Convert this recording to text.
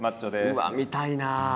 うわっ見たいなあ。